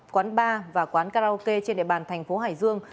quán bar và quán karaoke trên địa bàn thành phố hải dương